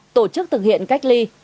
ba tổ chức thực hiện cách ly